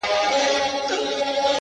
o د پادوان پر خپله غوا نظر وي!